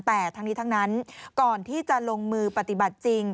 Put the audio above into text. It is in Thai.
แต่ทั้งนี้ทั้งนั้นก่อนที่จะลงมือปฏิบัติจริง